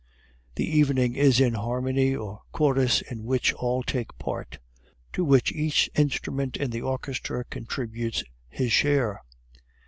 The evening is a harmony or chorus in which all take part, to which each instrument in the orchestra contributes his share.